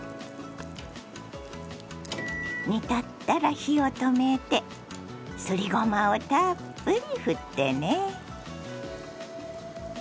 煮立ったら火を止めてすりごまをたっぷりふってね。